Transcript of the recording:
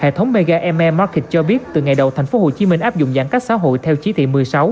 hệ thống mega m m market cho biết từ ngày đầu thành phố hồ chí minh áp dụng giãn cách xã hội theo chí thị một mươi sáu